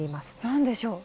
何でしょう。